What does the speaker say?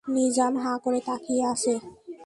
নিজাম হাঁ করে তাকিয়ে আছে।